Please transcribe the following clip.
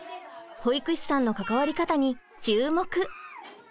保育士さんの関わり方に注目！